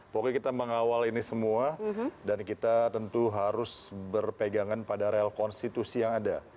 pokoknya kita mengawal ini semua dan kita tentu harus berpegangan pada real konstitusi yang ada